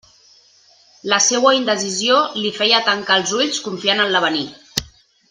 La seua indecisió li feia tancar els ulls, confiant en l'avenir.